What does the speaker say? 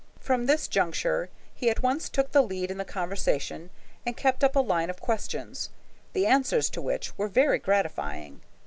From this juncture, he at once took the lead in the conversation, and kept up a line of questions, the answers to which were very gratifying.